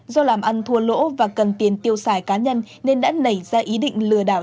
do làm ăn thua lỗ và cần tiền tiêu xài cá nhân nên đã nảy ra ý định lừa đảo